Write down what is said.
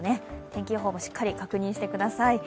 天気予報もしっかり確認してください。